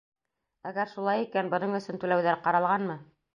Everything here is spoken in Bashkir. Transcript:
Әгәр шулай икән, бының өсөн түләүҙәр ҡаралғанмы?